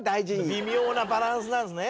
微妙なバランスなのね。